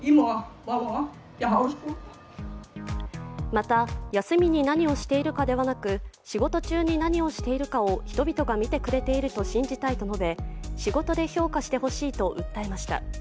また、休みに何をしているかではなく、仕事中に何をしているかを人々が見てくれていると信じたいと述べ、仕事で評価してほしいと訴えました。